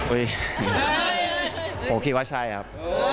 ผมคิดว่าใช่ครับ